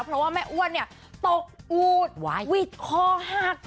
เพราะว่าแม่อ้วนเนี่ยตกอูดวิดคอหัก